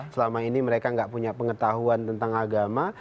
selama ini mereka nggak punya pengetahuan tentang agama